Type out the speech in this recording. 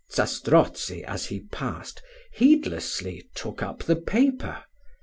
Zastrozzi, as he passed, heedlessly took up the paper.